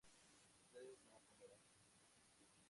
ustedes no comerán